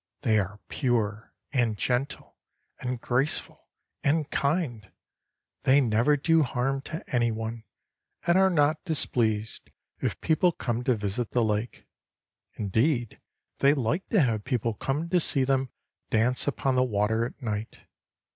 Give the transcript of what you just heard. They are pure, and gentle and graceful and kind. They never do harm to anyone, and are not displeased if people come to visit the lake. Indeed they like to have people come to see them dance upon the water at night.